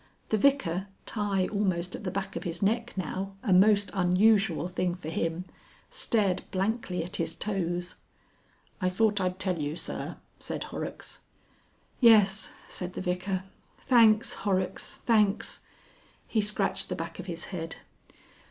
The Vicar, tie almost at the back of his neck now, a most unusual thing for him, stared blankly at his toes. "I thought I'd tell you, Sir," said Horrocks. "Yes," said the Vicar. "Thanks, Horrocks, thanks!" He scratched the back of his head.